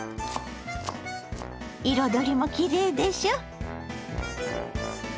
彩りもきれいでしょ。